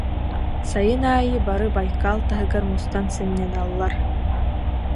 Сайын аайы бары Байкал таһыгар мустан сынньаналлар